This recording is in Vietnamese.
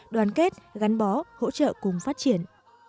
đoàn kết gắn bó hỗ trợ cùng phát triển